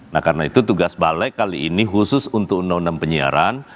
nah karena itu tugas balek kali ini khusus untuk undang undang penyiaran